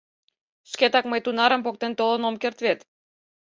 Шкетак мый тунарым поктен толын ом керт вет...